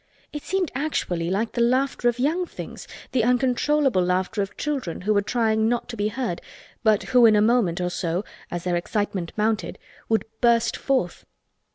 It seemed actually like the laughter of young things, the uncontrollable laughter of children who were trying not to be heard but who in a moment or so—as their excitement mounted—would burst forth.